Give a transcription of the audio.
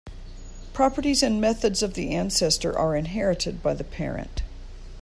Properties and methods of the ancestor are inherited by the parent.